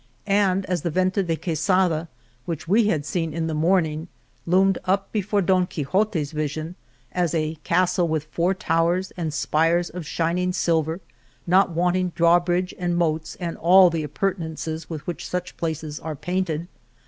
And as the Venta de Quesada which we had seen in the morning loomed up before Don Quixote's vision as a castle with four towers, and spires of shining silver not wanting, draw bridge and. moats, and all the appurtenances with which such places are painted."